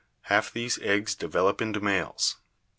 Half these eggs develop into males.